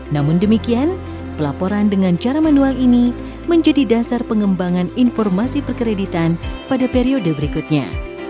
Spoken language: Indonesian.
namun demikian pelaporan dengan cara manual ini menjadi dasar pengembangan informasi perkreditan pada periode berikutnya